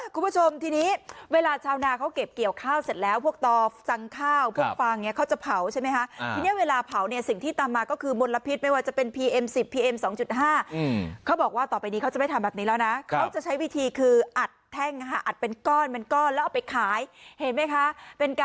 คุณผู้ชมทีนี้เวลาชาวนาเขาเก็บเกี่ยวข้าวเสร็จแล้วพวกต่อสั่งข้าวพวกฟางเนี่ยเขาจะเผาใช่ไหมคะทีนี้เวลาเผาเนี่ยสิ่งที่ตามมาก็คือมลพิษไม่ว่าจะเป็นพีเอ็มสิบพีเอ็ม๒๕เขาบอกว่าต่อไปนี้เขาจะไม่ทำแบบนี้แล้วนะเขาจะใช้วิธีคืออัดแท่งอัดเป็นก้อนเป็นก้อนแล้วเอาไปขายเห็นไหมคะ